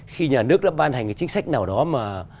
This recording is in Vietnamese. khi nhà nước đã ban hành cái chính sách nào đó mà